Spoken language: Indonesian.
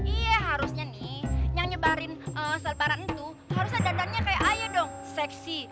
iya harusnya nih yang nyebarin selbaran itu harusnya dandannya kayak ayo dong seksi